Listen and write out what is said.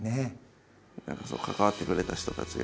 何か関わってくれた人たちが。